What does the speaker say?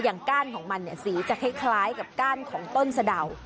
ก้านของมันเนี่ยสีจะคล้ายกับก้านของต้นสะดาว